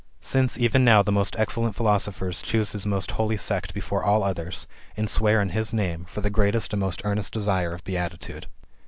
Since, even now, the most excellent philosophers choose his most holy sect be fore all others, and swear in his name, from the greatest and most earnest desire of beatitude.